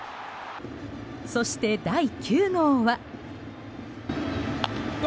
そして、第９号は。